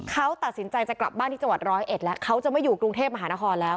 เขาตัดสินใจจะกลับบ้านที่จังหวัดร้อยเอ็ดแล้วเขาจะไม่อยู่กรุงเทพมหานครแล้ว